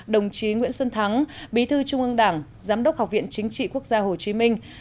đồng chí nguyễn xuân thắng bí thư trung ương đảng giám đốc học viện chính trị quốc gia hồ chí minh